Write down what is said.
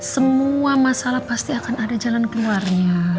semua masalah pasti akan ada jalan keluarnya